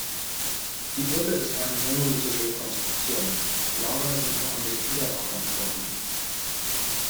Die Brücke ist eine monolithische Konstruktion, Lager sind nur an den Widerlagern vorhanden.